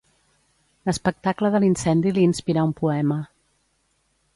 L'espectacle de l'incendi li inspirà un poema.